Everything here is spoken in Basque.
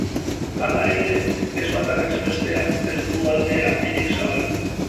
Hala ere, ez batak ez besteak ez du alde handirik zabaldu.